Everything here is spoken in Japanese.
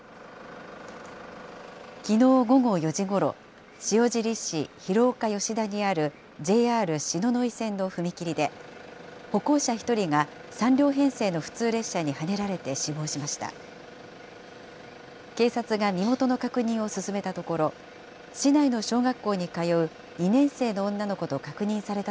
きのう午後４時ごろ、塩尻市広丘吉田にあるＪＲ篠ノ井線の踏切で、歩行者１人が３両編成の普通列車にはねられて死亡しました。